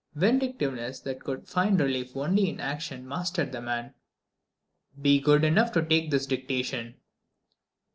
Vindictiveness that could find relief only in action mastered the man. "Be good enough to take this dictation."